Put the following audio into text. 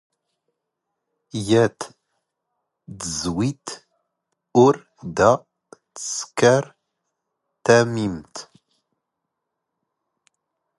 ⵢⴰⵜ ⵜⵣⵣⵡⵉⵜ ⵓⵔ ⴷⴰ ⵜⵙⴽⴰⵔ ⵜⴰⵎⵉⵎⵜ